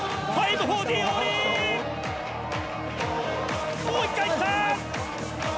もう１回いった！